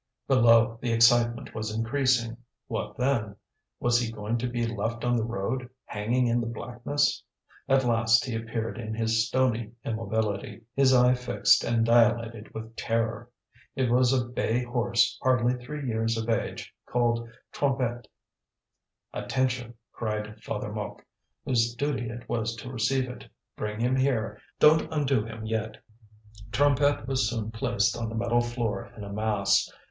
Below, the excitement was increasing. What then? Was he going to be left on the road, hanging in the blackness? At last he appeared in his stony immobility, his eye fixed and dilated with terror. It was a bay horse hardly three years of age, called Trompette. "Attention!" cried Father Mouque, whose duty it was to receive it. "Bring him here, don't undo him yet." Trompette was soon placed on the metal floor in a mass.